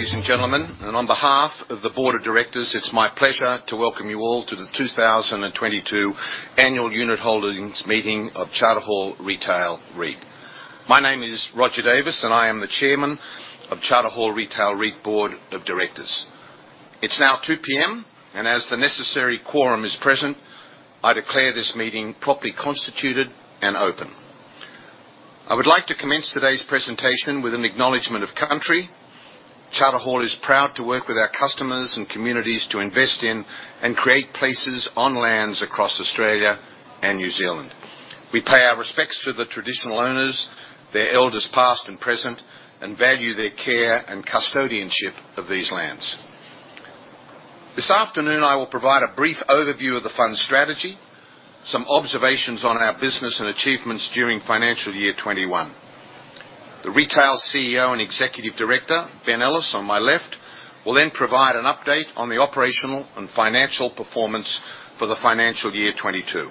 Ladies and gentlemen, on behalf of the Board of Directors, it's my pleasure to welcome you all to the 2022 annual unit holders meeting of Charter Hall Retail REIT. My name is Roger Davis, and I am the Chairman of Charter Hall Retail REIT Board of Directors. It's now 2:00 P.M., and as the necessary quorum is present, I declare this meeting properly constituted and open. I would like to commence today's presentation with an acknowledgement of country. Charter Hall is proud to work with our customers and communities to invest in and create places on lands across Australia and New Zealand. We pay our respects to the traditional owners, their elders past and present, and value their care and custodianship of these lands. This afternoon, I will provide a brief overview of the fund strategy, some observations on our business and achievements during financial year 2021. The Retail CEO and Executive Director, Ben Ellis, on my left, will then provide an update on the operational and financial performance for the financial year 2022.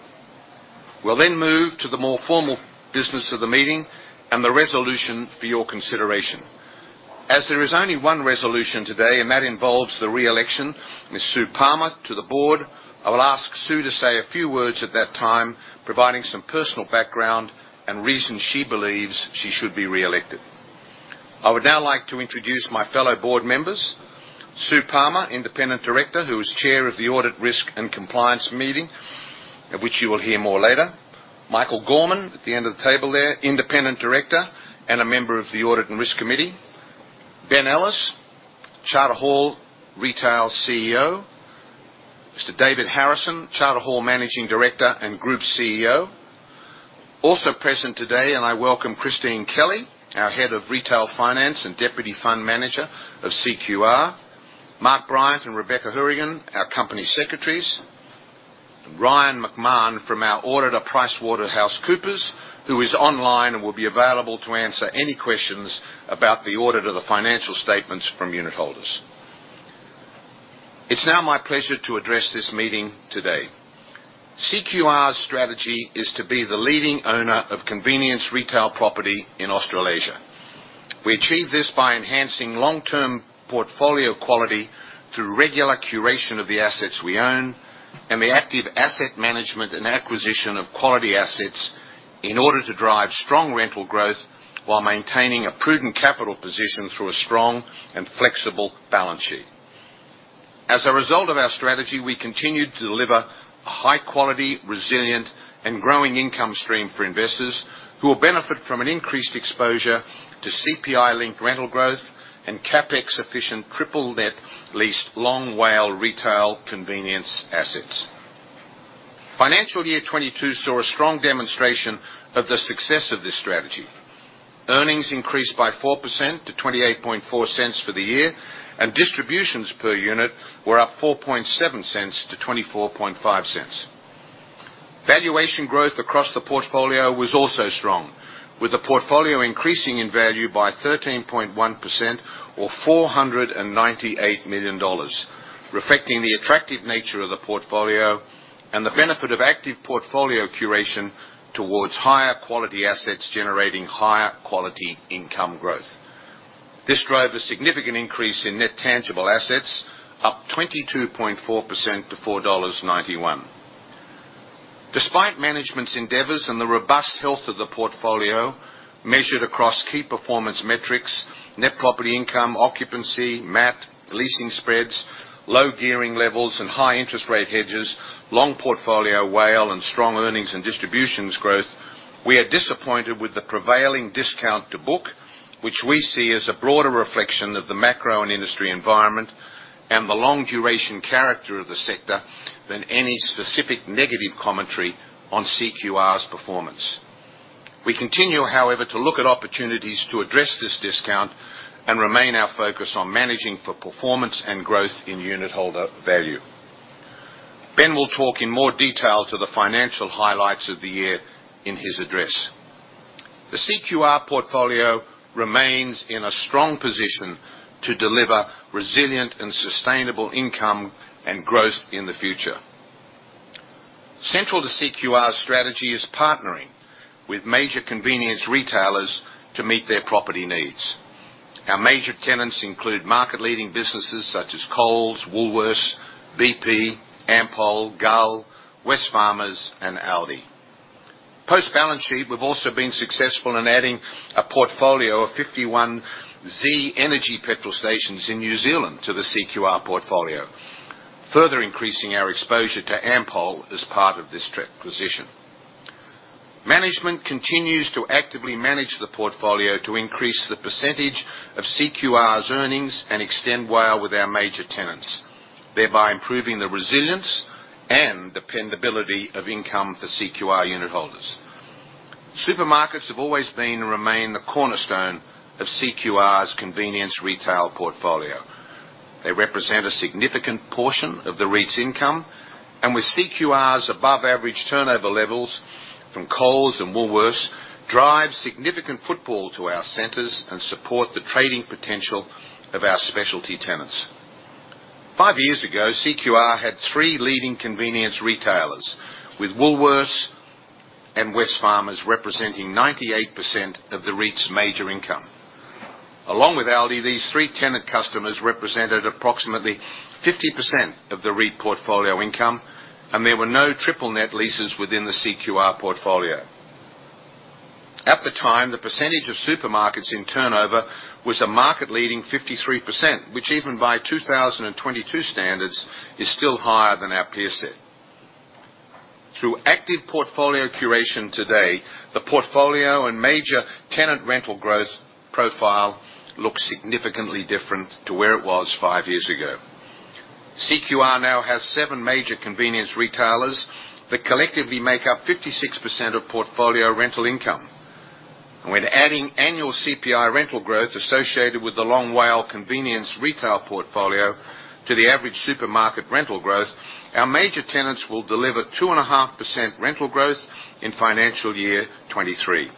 We'll then move to the more formal business of the meeting and the resolution for your consideration. As there is only one resolution today, and that involves the re-election, Ms. Sue Palmer to the board, I will ask Sue to say a few words at that time, providing some personal background and reasons she believes she should be re-elected. I would now like to introduce my fellow board members, Sue Palmer, Independent Director, who is Chair of the Audit, Risk, and Compliance Committee, of which you will hear more later. Michael Gorman, at the end of the table there, Independent Director and a member of the Audit and Risk Committee. Ben Ellis, Charter Hall Retail CEO. Mr. David Harrison, Charter Hall Managing Director and Group CEO. Also present today, and I welcome Christine Kelly, our Head of Retail Finance and Deputy Fund Manager of CQR. Mark Bryant and Rebecca Hourigan, our Company Secretaries. Ryan McMahon from our auditor, PricewaterhouseCoopers, who is online and will be available to answer any questions about the audit of the financial statements from unit holders. It's now my pleasure to address this meeting today. CQR's strategy is to be the leading owner of convenience retail property in Australasia. We achieve this by enhancing long-term portfolio quality through regular curation of the assets we own and the active asset management and acquisition of quality assets in order to drive strong rental growth while maintaining a prudent capital position through a strong and flexible balance sheet. As a result of our strategy, we continue to deliver a high quality, resilient, and growing income stream for investors who will benefit from an increased exposure to CPI-linked rental growth and CapEx-efficient triple net leased long WALE retail convenience assets. Financial year 2022 saw a strong demonstration of the success of this strategy. Earnings increased by 4% to 0.284 for the year, and distributions per unit were up 0.047 to 0.245. Valuation growth across the portfolio was also strong, with the portfolio increasing in value by 13.1% or AUD 498 million, reflecting the attractive nature of the portfolio and the benefit of active portfolio curation towards higher quality assets generating higher quality income growth. This drove a significant increase in net tangible assets, up 22.4% to 4.91 dollars. Despite management's endeavors and the robust health of the portfolio measured across key performance metrics, net property income, occupancy, MAT, leasing spreads, low gearing levels and high interest rate hedges, long portfolio WALE, and strong earnings and distributions growth, we are disappointed with the prevailing discount to book, which we see as a broader reflection of the macro and industry environment and the long-duration character of the sector than any specific negative commentary on CQR's performance. We continue, however, to look at opportunities to address this discount and remain our focus on managing for performance and growth in unit holder value. Ben will talk in more detail to the financial highlights of the year in his address. The CQR portfolio remains in a strong position to deliver resilient and sustainable income and growth in the future. Central to CQR's strategy is partnering with major convenience retailers to meet their property needs. Our major tenants include market-leading businesses such as Coles, Woolworths, BP, Ampol, Gull, Wesfarmers, and Aldi. Post-balance sheet, we've also been successful in adding a portfolio of 51 Z Energy petrol stations in New Zealand to the CQR portfolio, further increasing our exposure to Ampol as part of this acquisition. Management continues to actively manage the portfolio to increase the percentage of CQR's earnings and extend WALE with our major tenants, thereby improving the resilience and dependability of income for CQR unit holders. Supermarkets have always been and remain the cornerstone of CQR's convenience retail portfolio. They represent a significant portion of the REIT's income, and with CQR's above-average turnover levels from Coles and Woolworths drive significant footfall to our centers and support the trading potential of our specialty tenants. Five years ago, CQR had three leading convenience retailers, with Woolworths and Wesfarmers representing 98% of the REIT's major income. Along with Aldi, these three tenant customers represented approximately 50% of the REIT portfolio income, and there were no triple net leases within the CQR portfolio. At the time, the percentage of supermarkets in turnover was a market-leading 53%, which even by 2022 standards, is still higher than our peer set. Through active portfolio curation today, the portfolio and major tenant rental growth profile looks significantly different to where it was five years ago. CQR now has 7 major convenience retailers that collectively make up 56% of portfolio rental income. When adding annual CPI rental growth associated with the long WALE convenience retail portfolio to the average supermarket rental growth, our major tenants will deliver 2.5% rental growth in financial year 2023.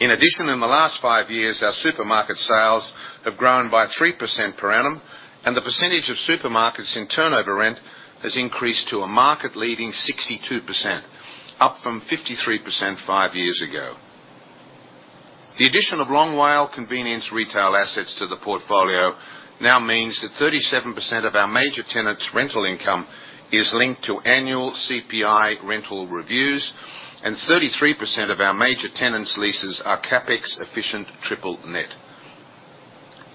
In addition, in the last five years, our supermarket sales have grown by 3% per annum, and the percentage of supermarkets in turnover rent has increased to a market-leading 62%, up from 53% five years ago. The addition of long WALE convenience retail assets to the portfolio now means that 37% of our major tenants' rental income is linked to annual CPI rental reviews, and 33% of our major tenants' leases are CapEx-efficient triple net.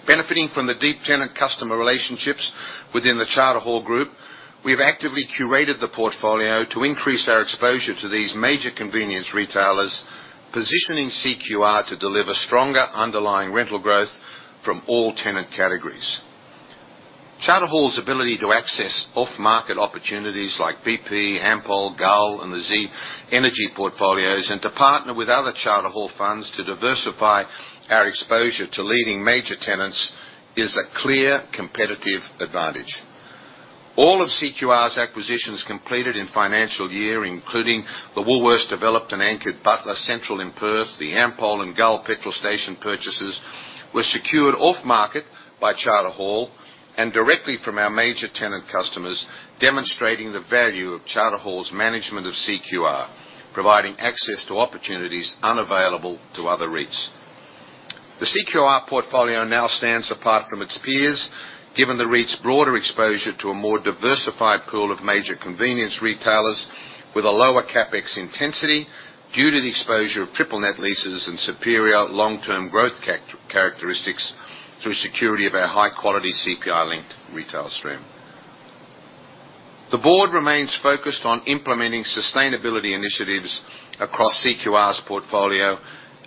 Benefiting from the deep tenant customer relationships within the Charter Hall group, we've actively curated the portfolio to increase our exposure to these major convenience retailers, positioning CQR to deliver stronger underlying rental growth from all tenant categories. Charter Hall's ability to access off-market opportunities like BP, Ampol, Gull, and the Z Energy portfolios, and to partner with other Charter Hall funds to diversify our exposure to leading major tenants, is a clear competitive advantage. All of CQR's acquisitions completed in financial year, including the Woolworths-developed and anchored Butler Central in Perth, the Ampol and Gull petrol station purchases, were secured off-market by Charter Hall and directly from our major tenant customers, demonstrating the value of Charter Hall's management of CQR, providing access to opportunities unavailable to other REITs. The CQR portfolio now stands apart from its peers, given the REIT's broader exposure to a more diversified pool of major convenience retailers with a lower CapEx intensity due to the exposure of triple net leases and superior long-term growth characteristics through security of our high-quality CPI-linked retail stream. The board remains focused on implementing sustainability initiatives across CQR's portfolio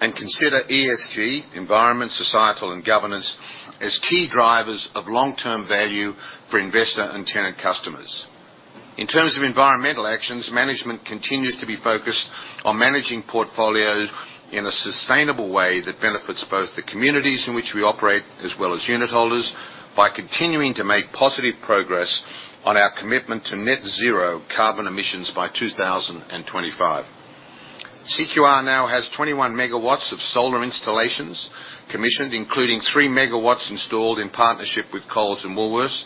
and consider ESG, environmental, social, and governance, as key drivers of long-term value for investor and tenant customers. In terms of environmental actions, management continues to be focused on managing portfolios in a sustainable way that benefits both the communities in which we operate as well as unitholders by continuing to make positive progress on our commitment to net zero carbon emissions by 2025. CQR now has 21 megawatts of solar installations commissioned, including 3 megawatts installed in partnership with Coles and Woolworths,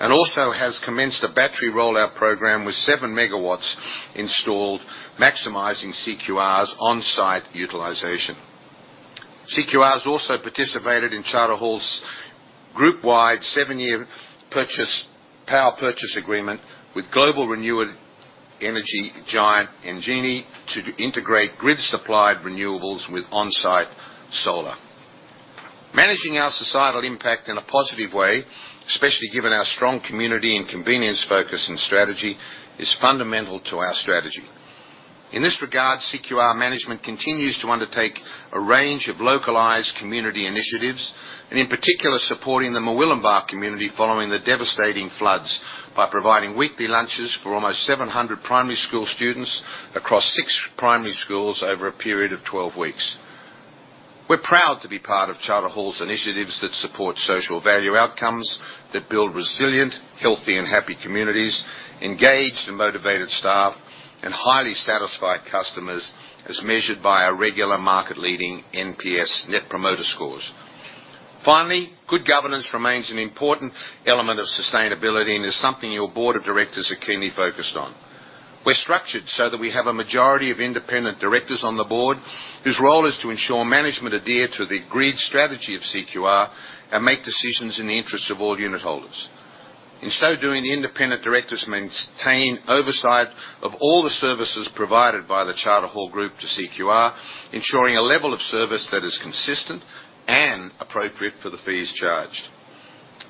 and also has commenced a battery rollout program with 7 megawatts installed, maximizing CQR's on-site utilization. CQR has also participated in Charter Hall's group-wide 7-year power purchase agreement with global renewable energy giant Engie to integrate grid-supplied renewables with on-site solar. Managing our societal impact in a positive way, especially given our strong community and convenience focus and strategy, is fundamental to our strategy. In this regard, CQR management continues to undertake a range of localized community initiatives, and in particular, supporting the Murwillumbah community following the devastating floods by providing weekly lunches for almost 700 primary school students across six primary schools over a period of 12 weeks. We're proud to be part of Charter Hall's initiatives that support social value outcomes that build resilient, healthy, and happy communities, engaged and motivated staff, and highly satisfied customers, as measured by our regular market-leading NPS net promoter scores. Finally, good governance remains an important element of sustainability and is something your board of directors are keenly focused on. We're structured so that we have a majority of independent directors on the board whose role is to ensure management adhere to the agreed strategy of CQR and make decisions in the interests of all unitholders. In so doing, the independent directors maintain oversight of all the services provided by the Charter Hall group to CQR, ensuring a level of service that is consistent and appropriate for the fees charged.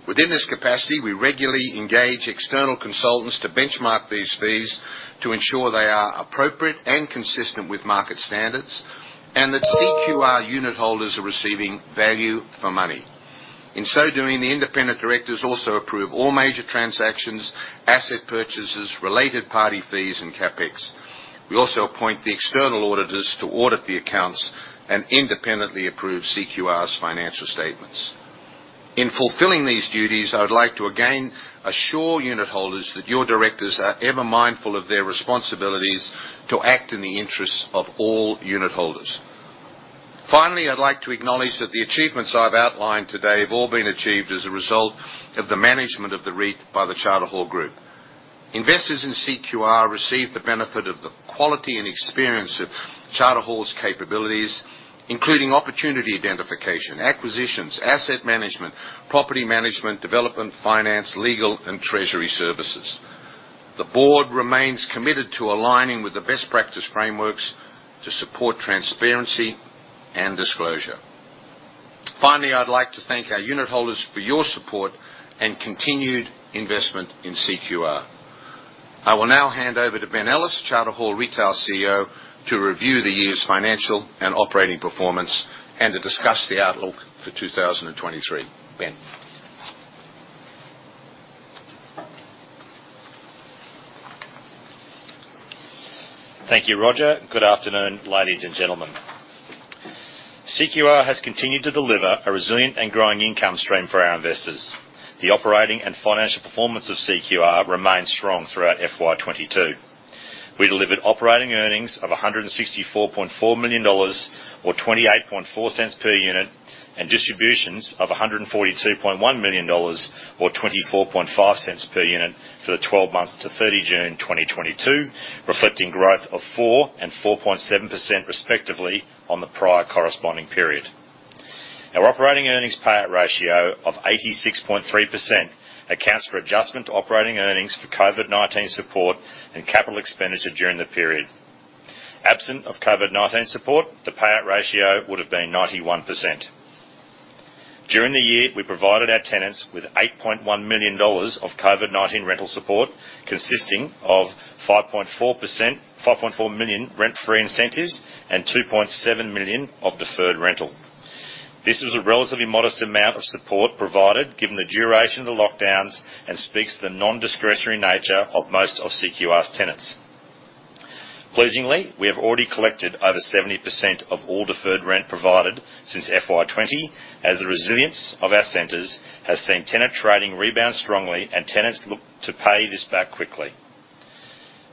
Within this capacity, we regularly engage external consultants to benchmark these fees to ensure they are appropriate and consistent with market standards, and that CQR unitholders are receiving value for money. In so doing, the independent directors also approve all major transactions, asset purchases, related party fees, and CapEx. We also appoint the external auditors to audit the accounts and independently approve CQR's financial statements. In fulfilling these duties, I would like to again assure unitholders that your directors are ever mindful of their responsibilities to act in the interests of all unitholders. Finally, I'd like to acknowledge that the achievements I've outlined today have all been achieved as a result of the management of the REIT by the Charter Hall group. Investors in CQR receive the benefit of the quality and experience of Charter Hall's capabilities, including opportunity identification, acquisitions, asset management, property management, development, finance, legal, and treasury services. The board remains committed to aligning with the best practice frameworks to support transparency and disclosure. Finally, I'd like to thank our unitholders for your support and continued investment in CQR. I will now hand over to Ben Ellis, Retail CEO, Charter Hall, to review the year's financial and operating performance and to discuss the outlook for 2023. Ben. Thank you, Roger. Good afternoon, ladies and gentlemen. CQR has continued to deliver a resilient and growing income stream for our investors. The operating and financial performance of CQR remains strong throughout FY 2022. We delivered operating earnings of AUD 164.4 million, or 0.284 per unit, and distributions of AUD 142.1 million, or 0.245 per unit for the twelve months to 30 June 2022, reflecting growth of 4% and 4.7% respectively on the prior corresponding period. Our operating earnings payout ratio of 86.3% accounts for adjustment operating earnings for COVID-19 support and capital expenditure during the period. Absent of COVID-19 support, the payout ratio would have been 91%. During the year, we provided our tenants with 8.1 million dollars of COVID-19 rental support, consisting of 5.4 million rent-free incentives and 2.7 million of deferred rental. This was a relatively modest amount of support provided given the duration of the lockdowns and speaks to the non-discretionary nature of most of CQR's tenants. Pleasingly, we have already collected over 70% of all deferred rent provided since FY 2020, as the resilience of our centers has seen tenant trading rebound strongly and tenants look to pay this back quickly.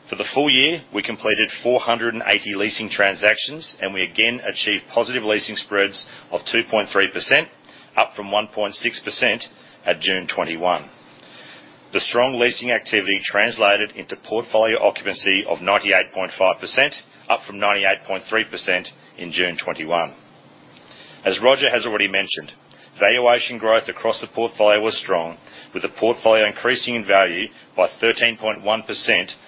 For the full year, we completed 480 leasing transactions, and we again achieved positive leasing spreads of 2.3%, up from 1.6% at June 2021. The strong leasing activity translated into portfolio occupancy of 98.5%, up from 98.3% in June 2021. As Roger has already mentioned, valuation growth across the portfolio was strong, with the portfolio increasing in value by 13.1%,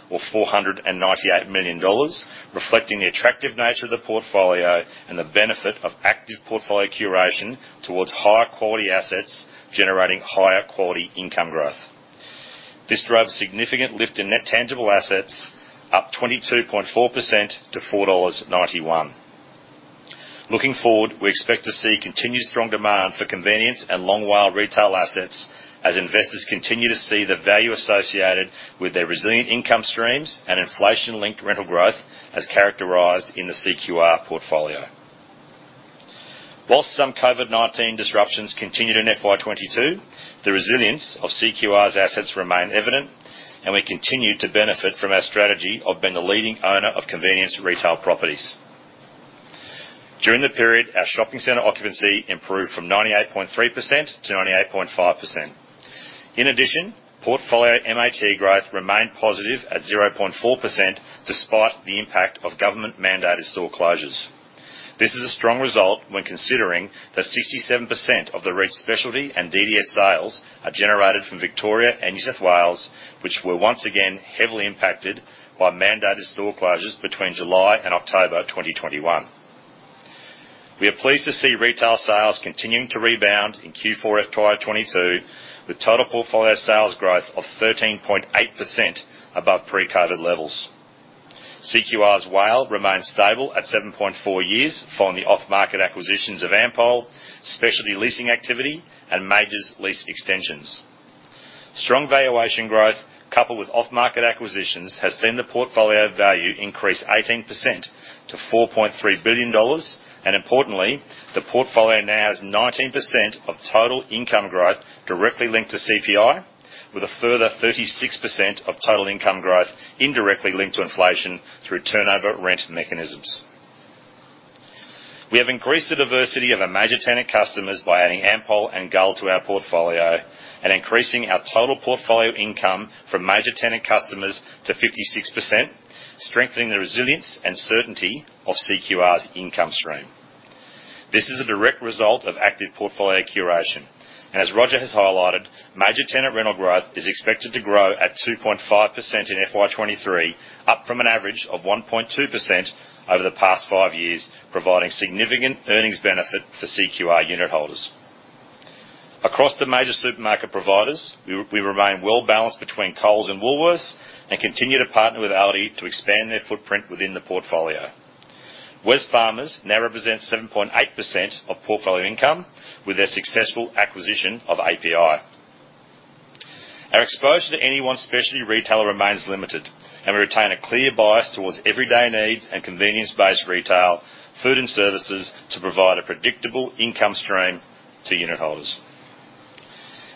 or 498 million dollars, reflecting the attractive nature of the portfolio and the benefit of active portfolio curation towards higher quality assets, generating higher quality income growth. This drove significant lift in net tangible assets, up 22.4% to 4.91 dollars. Looking forward, we expect to see continued strong demand for convenience and long WALE retail assets as investors continue to see the value associated with their resilient income streams and inflation-linked rental growth as characterized in the CQR portfolio. While some COVID-19 disruptions continued in FY 2022, the resilience of CQR's assets remain evident, and we continue to benefit from our strategy of being the leading owner of convenience retail properties. During the period, our shopping center occupancy improved from 98.3% to 98.5%. In addition, portfolio MAT growth remained positive at 0.4%, despite the impact of government-mandated store closures. This is a strong result when considering that 67% of the REIT's specialty and DDS sales are generated from Victoria and New South Wales, which were once again heavily impacted by mandated store closures between July and October of 2021. We are pleased to see retail sales continuing to rebound in Q4 FY 2022, with total portfolio sales growth of 13.8% above pre-COVID levels. CQR's WALE remains stable at 7.4 years from the off-market acquisitions of Ampol, specialty leasing activity, and majors lease extensions. Strong valuation growth, coupled with off-market acquisitions, has seen the portfolio value increase 18% to 4.3 billion dollars. Importantly, the portfolio now has 19% of total income growth directly linked to CPI, with a further 36% of total income growth indirectly linked to inflation through turnover rent mechanisms. We have increased the diversity of our major tenant customers by adding Ampol and Gull to our portfolio and increasing our total portfolio income from major tenant customers to 56%, strengthening the resilience and certainty of CQR's income stream. This is a direct result of active portfolio curation. As Roger has highlighted, major tenant rental growth is expected to grow at 2.5% in FY'23, up from an average of 1.2% over the past five years, providing significant earnings benefit for CQR unit holders. Across the major supermarket providers, we remain well-balanced between Coles and Woolworths and continue to partner with Aldi to expand their footprint within the portfolio. Wesfarmers now represents 7.8% of portfolio income with their successful acquisition of API. Our exposure to any one specialty retailer remains limited, and we retain a clear bias towards everyday needs and convenience-based retail, food, and services to provide a predictable income stream to unit holders.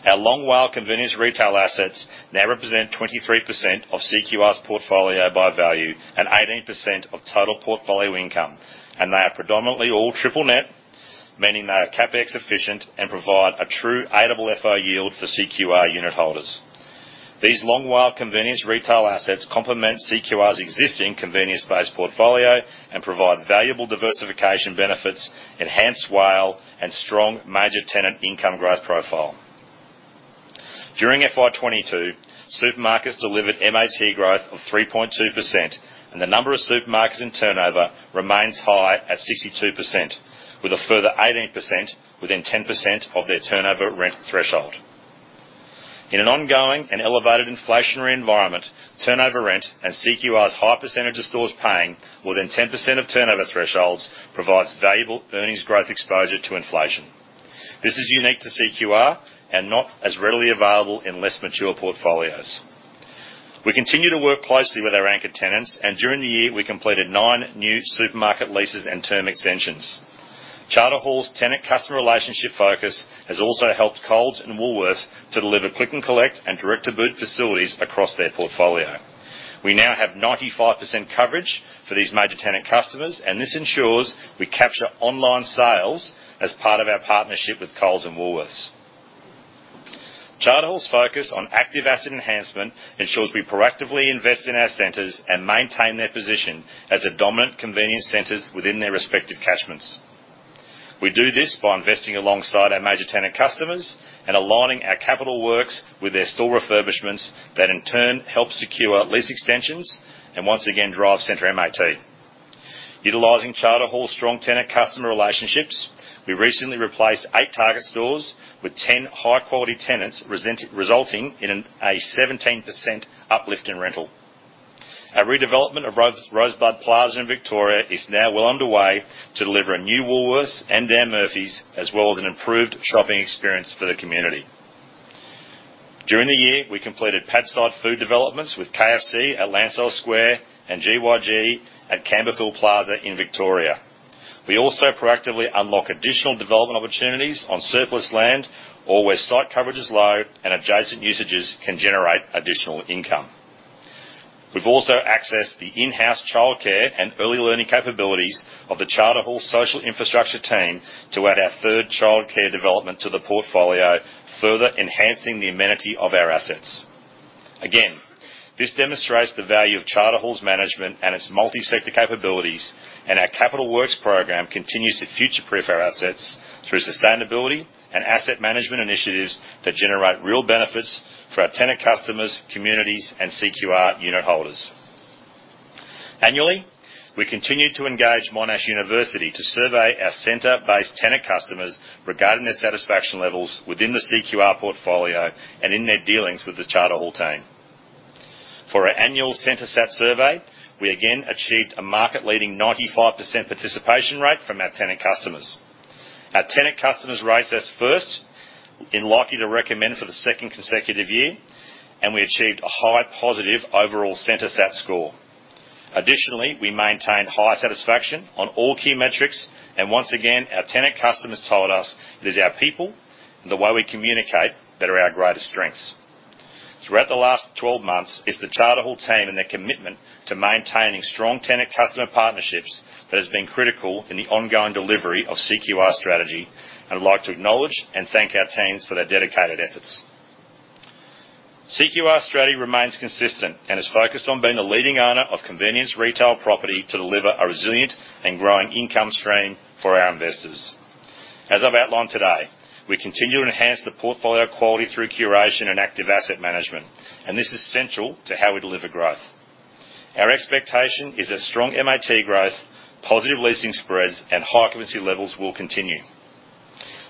Our long WALE convenience retail assets now represent 23% of CQR's portfolio by value and 18% of total portfolio income. They are predominantly all triple net, meaning they are CapEx efficient and provide a true AFFO yield for CQR unit holders. These long WALE convenience retail assets complement CQR's existing convenience-based portfolio and provide valuable diversification benefits, enhanced WALE, and strong major tenant income growth profile. During FY'22, supermarkets delivered MAT growth of 3.2%, and the number of supermarkets in turnover remains high at 62%, with a further 18% within 10% of their turnover rent threshold. In an ongoing and elevated inflationary environment, turnover rent and CQR's high percentage of stores paying more than 10% of turnover thresholds provides valuable earnings growth exposure to inflation. This is unique to CQR and not as readily available in less mature portfolios. We continue to work closely with our anchor tenants, and during the year, we completed nine new supermarket leases and term extensions. Charter Hall's tenant customer relationship focus has also helped Coles and Woolworths to deliver click and collect and direct-to-boot facilities across their portfolio. We now have 95% coverage for these major tenant customers, and this ensures we capture online sales as part of our partnership with Coles and Woolworths. Charter Hall's focus on active asset enhancement ensures we proactively invest in our centers and maintain their position as the dominant convenience centers within their respective catchments. We do this by investing alongside our major tenant customers and aligning our capital works with their store refurbishments that in turn help secure lease extensions and once again, drive center MAT. Utilizing Charter Hall's strong tenant customer relationships, we recently replaced 8 Target stores with 10 high-quality tenants resulting in a 17% uplift in rental. Our redevelopment of Rosebud Plaza in Victoria is now well underway to deliver a new Woolworths and Dan Murphy's as well as an improved shopping experience for the community. During the year, we completed pad site food developments with KFC at Landsdale Square and GYG at Camberwell Plaza in Victoria. We also proactively unlock additional development opportunities on surplus land or where site coverage is low and adjacent usages can generate additional income. We've also accessed the in-house childcare and early learning capabilities of the Charter Hall social infrastructure team to add our third childcare development to the portfolio, further enhancing the amenity of our assets. Again, this demonstrates the value of Charter Hall's management and its multi-sector capabilities, and our capital works program continues to future-proof our assets through sustainability and asset management initiatives that generate real benefits for our tenant customers, communities, and CQR unit holders. Annually, we continue to engage Monash University to survey our center-based tenant customers regarding their satisfaction levels within the CQR portfolio and in their dealings with the Charter Hall team. For our annual CentreSat survey, we again achieved a market-leading 95% participation rate from our tenant customers. Our tenant customers rate us first in likely to recommend for the second consecutive year, and we achieved a high positive overall CentreSat score. Additionally, we maintained high satisfaction on all key metrics, and once again, our tenant customers told us that it's our people and the way we communicate that are our greatest strengths. Throughout the last 12 months, it's the Charter Hall team and their commitment to maintaining strong tenant customer partnerships that has been critical in the ongoing delivery of CQR's strategy. I'd like to acknowledge and thank our teams for their dedicated efforts. CQR's strategy remains consistent and is focused on being a leading owner of convenience retail property to deliver a resilient and growing income stream for our investors. As I've outlined today, we continue to enhance the portfolio quality through curation and active asset management, and this is central to how we deliver growth. Our expectation is that strong MAT growth, positive leasing spreads, and high occupancy levels will continue.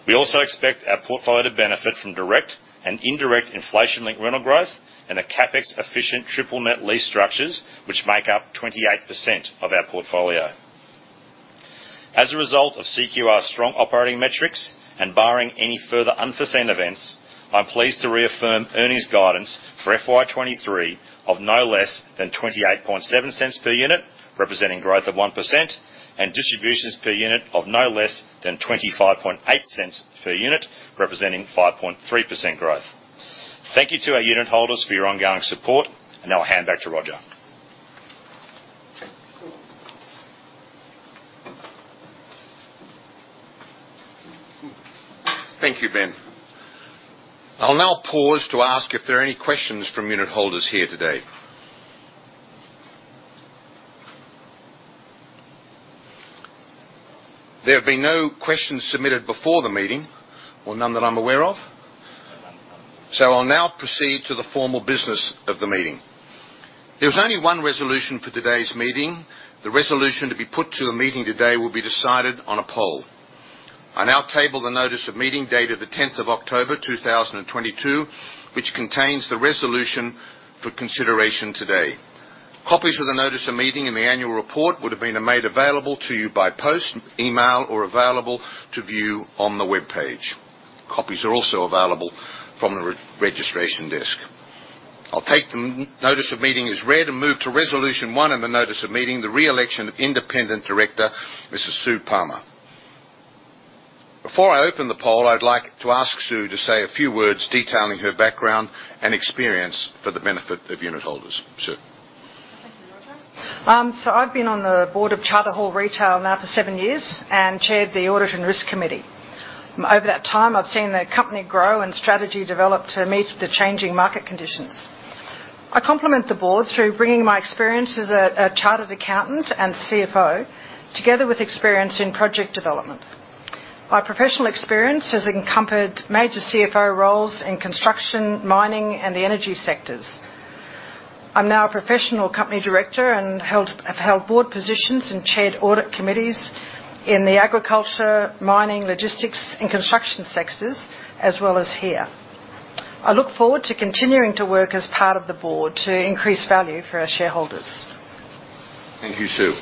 We also expect our portfolio to benefit from direct and indirect inflation-linked rental growth and the CapEx-efficient triple net lease structures, which make up 28% of our portfolio. As a result of CQR's strong operating metrics, and barring any further unforeseen events, I'm pleased to reaffirm earnings guidance for FY'23 of no less than 0.287 per unit, representing growth of 1%, and distributions per unit of no less than 0.258 per unit, representing 5.3% growth. Thank you to our unit holders for your ongoing support, and I'll hand back to Roger. Thank you, Ben. I'll now pause to ask if there are any questions from unit holders here today. There have been no questions submitted before the meeting or none that I'm aware of. I'll now proceed to the formal business of the meeting. There's only one resolution for today's meeting. The resolution to be put to the meeting today will be decided on a poll. I now table the notice of meeting dated the tenth of October, two thousand and twenty-two, which contains the resolution for consideration today. Copies of the notice of meeting and the annual report would have been made available to you by post, email, or available to view on the webpage. Copies are also available from the registration desk. I'll take the notice of meeting as read and move to resolution one in the notice of meeting: the re-election of independent director, Mrs. Sue Palmer. Before I open the poll, I'd like to ask Sue to say a few words detailing her background and experience for the benefit of unit holders. Sue. Thank you, Roger. I've been on the board of Charter Hall Retail now for seven years and chaired the Audit and Risk Committee. Over that time, I've seen the company grow and strategy develop to meet the changing market conditions. I complement the board through bringing my experience as a chartered accountant and CFO, together with experience in project development. My professional experience has encompassed major CFO roles in construction, mining, and the energy sectors. I'm now a professional company director and have held board positions and chaired audit committees in the agriculture, mining, logistics, and construction sectors, as well as here. I look forward to continuing to work as part of the board to increase value for our shareholders. Thank you, Sue.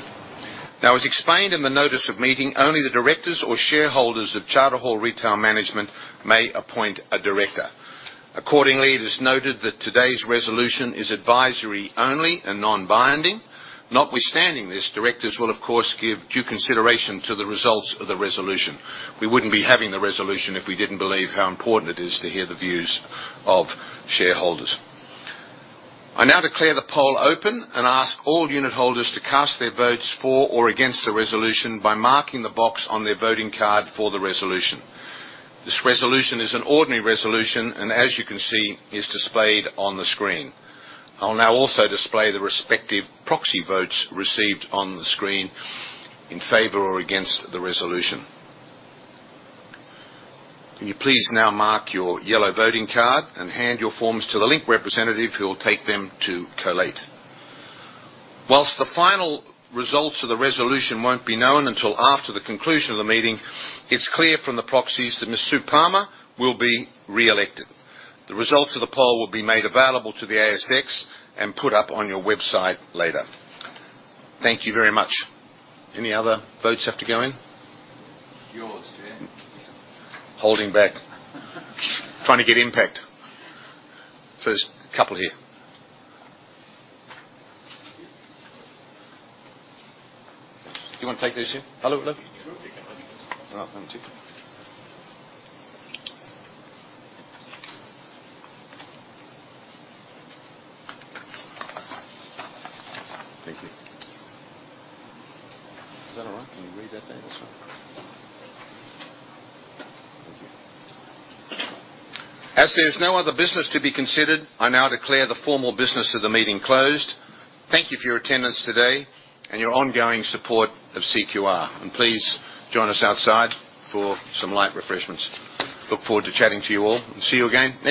Now, as explained in the notice of meeting, only the directors or shareholders of Charter Hall Retail Management may appoint a director. Accordingly, it is noted that today's resolution is advisory only and non-binding. Notwithstanding this, directors will, of course, give due consideration to the results of the resolution. We wouldn't be having the resolution if we didn't believe how important it is to hear the views of shareholders. I now declare the poll open and ask all unit holders to cast their votes for or against the resolution by marking the box on their voting card for the resolution. This resolution is an ordinary resolution and, as you can see, is displayed on the screen. I'll now also display the respective proxy votes received on the screen in favor or against the resolution. Can you please now mark your yellow voting card and hand your forms to the Link representative, who will take them to collate. While the final results of the resolution won't be known until after the conclusion of the meeting, it's clear from the proxies that Ms. Sue Palmer will be reelected. The results of the poll will be made available to the ASX and put up on your website later. Thank you very much. Any other votes have to go in? Yours, yeah. Holding back. Trying to get impact. There's a couple here. Do you wanna take those, yeah? I'll look. Sure. Oh, thank you. Thank you. Is that all right? Can you read that there as well? Thank you. As there's no other business to be considered, I now declare the formal business of the meeting closed. Thank you for your attendance today and your ongoing support of CQR, and please join us outside for some light refreshments. Look forward to chatting to you all, and see you again next year.